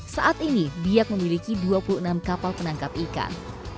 saat ini biak memiliki dua puluh enam kapal penangkap ikan